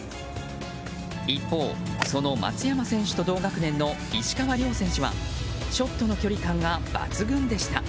一方、その松山選手と同学年の石川遼選手はショットの距離感が抜群でした。